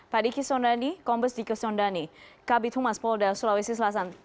pak diki sondani kompas diki sondani kabit humas polda sulawesi selasan